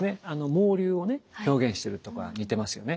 毛流を表現してるとこが似てますよね。